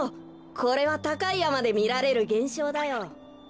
これはたかいやまでみられるげんしょうだよ。